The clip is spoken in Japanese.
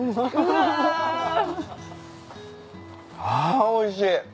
あおいしい。